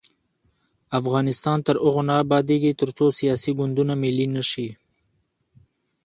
افغانستان تر هغو نه ابادیږي، ترڅو سیاسي ګوندونه ملي نشي.